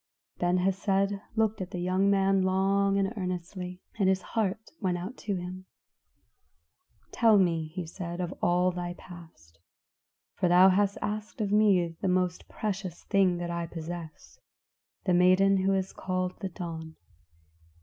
Ben Hesed looked at the young man long and earnestly, and his heart went out to him. "Tell me," he said, "all of thy past; for thou hast asked of me the most precious thing that I possess, the maiden who is called the Dawn.